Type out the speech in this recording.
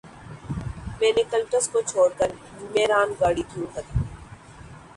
میں نے کلٹس کو چھوڑ کر میرا گاڑی کیوں خریدی